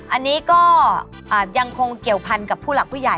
อันนี้ก็ยังคงเกี่ยวพันกับผู้หลักผู้ใหญ่